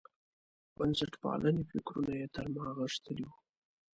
بنسټپالنې فکرونه یې تر ما غښتلي وو.